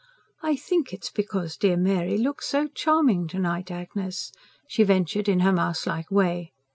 "I think it's because dear Mary looks so charming to night, Agnes," she ventured in her mouselike way.